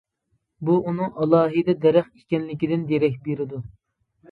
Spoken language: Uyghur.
بۇ ئۇنىڭ ئالاھىدە دەرەخ ئىكەنلىكىدىن دېرەك بېرىدۇ.